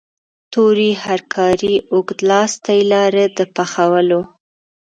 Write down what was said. تورې هرکارې اوږد لاستی لاره د پخولو.